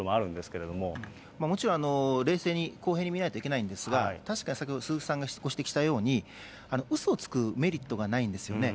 けれもちろん冷静に、公平に見ないといけないんですが、確か、先ほど鈴木さんがご指摘したように、うそをつくメリットがないんですよね。